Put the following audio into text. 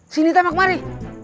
sini tamak mari